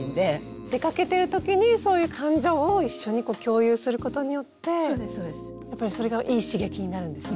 出かけてる時にそういう感情を一緒に共有することによってやっぱりそれがいい刺激になるんですね。